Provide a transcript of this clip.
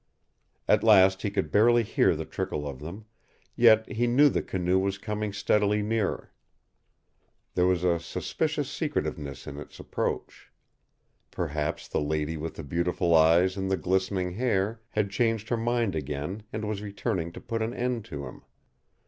At last he could barely hear the trickle of them, yet he knew the canoe was coming steadily nearer. There was a suspicious secretiveness in its approach. Perhaps the lady with the beautiful eyes and the glistening hair had changed her mind again and was returning to put an end to him.